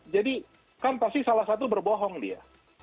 jadi kan pasti salah satu berbohong dia